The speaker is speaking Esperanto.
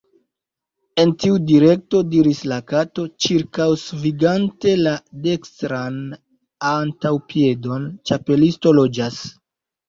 "En tiu direkto," diris la Kato, ĉirkaŭsvingante la dekstran antaŭpiedon, "Ĉapelisto loĝas. »